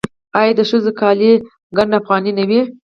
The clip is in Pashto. آیا د ښځو کالي ګنډ افغاني نه وي؟